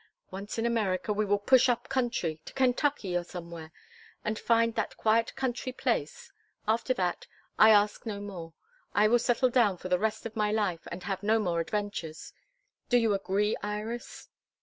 Once in America we will push up country to Kentucky or somewhere and find that quiet country place: after that I ask no more. I will settle down for the rest of my life, and have no more adventures. Do you agree, Iris?"